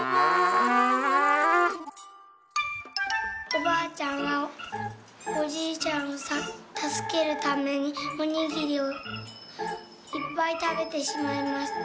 「おばあちゃんはおじいちゃんをたすけるためにおにぎりをいっぱいたべてしまいました。